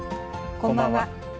こんばんは。